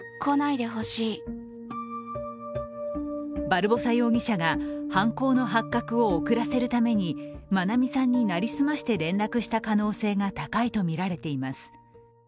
バルボサ容疑者が犯行の発覚を遅らせるために愛美さんに成り済まして連絡した可能性が高いとみられています。